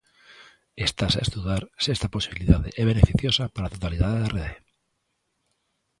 Estase a estudar se esta posibilidade é beneficiosa para a totalidade da rede.